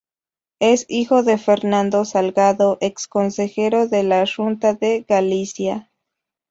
Es hijo de Fernando Salgado, ex consejero de la Xunta de Galicia.